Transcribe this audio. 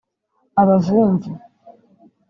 abavumvu